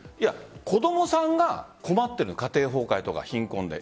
子供さんが困っている家庭崩壊とか貧困で。